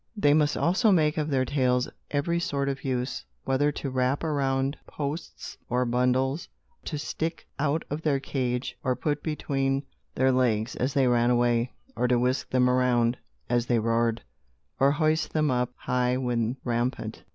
They must also make of their tails every sort of use, whether to wrap around posts or bundles, to stick out of their cage, or put between their legs, as they ran away, or to whisk them around, as they roared; or hoist them up high when rampant.